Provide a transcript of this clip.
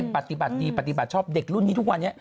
ปฏิบัติดีปฏิบัติชอบเด็กรุ่นนี้ทุกวันนี้